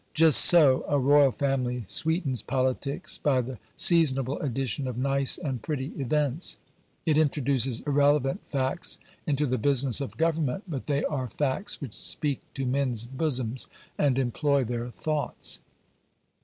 Just so a royal family sweetens politics by the seasonable addition of nice and pretty events. It introduces irrelevant facts into the business of government, but they are facts which speak to "men's bosoms" and employ their thoughts.